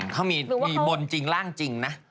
เขามีบนจริงร่างจริงนะ